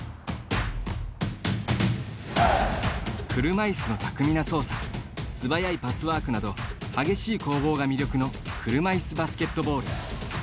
車いすの巧みな操作素早いパスワークなど激しい攻防が魅力の車いすバスケットボール。